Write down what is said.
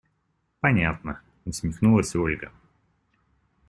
Понятно! – усмехнулась Ольга.